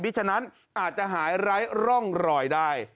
เพราะฉะนั้นอาจจะหายร้ายร่องรอยได้